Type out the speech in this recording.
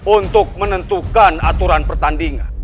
untuk menentukan aturan pertandingan